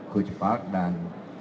coach pak dan